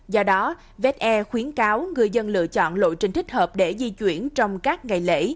do đó vse khuyến cáo người dân lựa chọn lộ trình thích hợp để di chuyển trong các ngày lễ